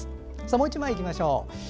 もう１枚いきましょう。